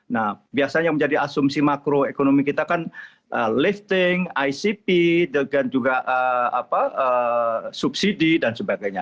nah biasanya yang menjadi asumsi makroekonomi kita kan lifting icp dengan juga subsidi dan sebagainya